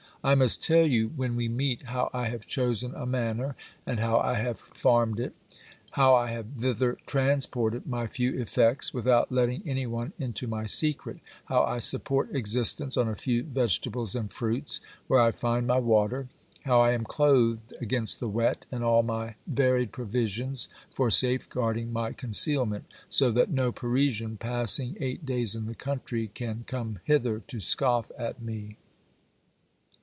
I must tell you when we meet how I have chosen a manor, and how I have farmed it ; how I have thither transported my few effects without letting any one into my secret; how I support existence on a few vegetables and fruits ; where I find my water; how I am clothed against the wet, and all my varied provisions for safeguarding my concealment, so that no Parisian, passing eight days in the country, can come hither to scoff at me.